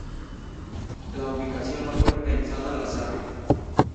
La ubicación no fue pensada al azar.